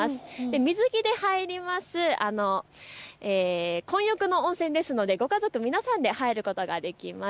水着で入る混浴の温泉ですのでご家族皆さんで入ることができます。